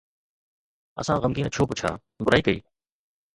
اسان غمگين ڇو پڇيا، برائي ڪئي؟